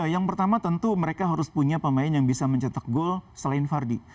yang pertama tentu mereka harus punya pemain yang bisa mencetak gol selain vardy